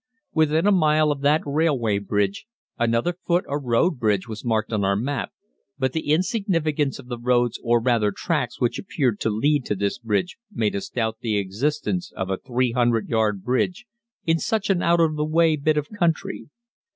Within a mile of that railway bridge another foot or road bridge was marked on our map, but the insignificance of the roads or rather tracks which appeared to lead to this bridge made us doubt the existence of a 300 yard bridge in such an out of the way bit of country.